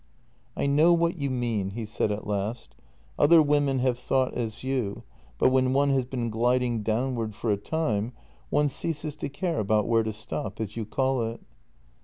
" I know what you mean," he said at last. " Other women have thought as you, but when one has been gliding downward for a time one ceases to care about where to stop, as you call it."